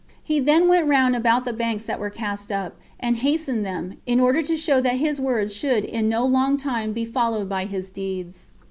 He then went round about the banks that were cast up, and hastened them, in order to show that his words should in no long time be followed by his deeds.